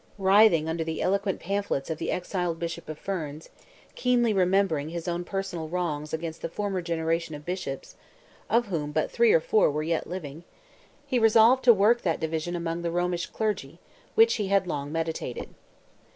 Writhing under the eloquent pamphlets of the exiled Bishop of Ferns, keenly remembering his own personal wrongs against the former generation of bishops, of whom but three or four were yet living, he resolved "to work that division among the Romish clergy," which he had long meditated.